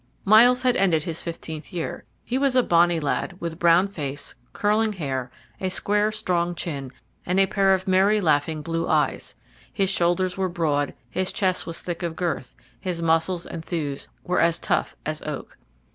Myles had ended his fifteenth year. He was a bonny lad, with brown face, curling hair, a square, strong chin, and a pair of merry laughing blue eyes; his shoulders were broad; his chest was thick of girth; his muscles and thews were as tough as oak.